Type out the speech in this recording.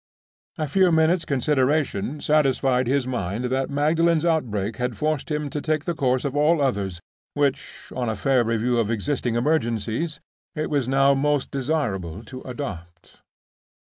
A few minutes' consideration satisfied his mind that Magdalen's outbreak had forced him to take the course of all others which, on a fair review of existing emergencies, it was now most desirable to adopt.